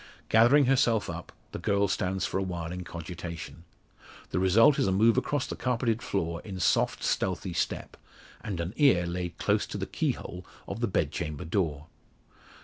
Gathering herself up, the girl stands for a while in cogitation. The result is a move across the carpeted floor in soft stealthy step, and an ear laid close to the keyhole of the bedchamber door.